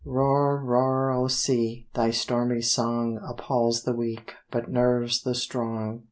_Roar, roar, O Sea! Thy stormy song Appalls the weak, but nerves the strong.